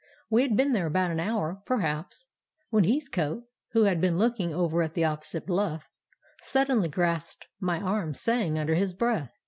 "We had been there about an hour, perhaps, when Heathcote, who had been looking over at the opposite bluff, suddenly grasped my arm, saying under his breath.